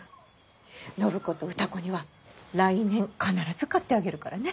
暢子と歌子には来年必ず買ってあげるからね。